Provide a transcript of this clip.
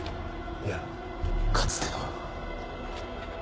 いやかつての。